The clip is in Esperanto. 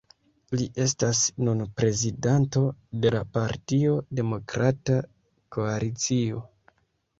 Li estas nun prezidanto de la partio Demokrata Koalicio.